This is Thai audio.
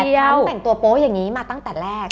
ฉันแต่งตัวโป๊ะอย่างนี้มาตั้งแต่แรก